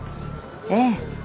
ええ。